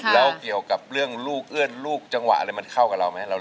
แล้วเกี่ยวกับเรื่องลูกเอื้อนลูกจังหวะอะไรมันเข้ากับเราไหม